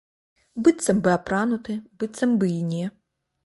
Быццам бы апрануты, быццам бы і не.